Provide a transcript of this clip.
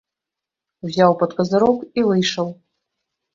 Узяў пад казырок і выйшаў.